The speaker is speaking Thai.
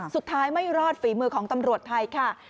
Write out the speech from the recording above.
ไม่รอดฝีมือของตำรวจไทยค่ะ